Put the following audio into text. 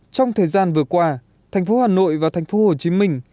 trong thời gian vừa qua thành phố hà nội và thành phố hồ chí minh